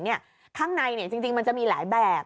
ข้างในจริงมันจะมีหลายแบบ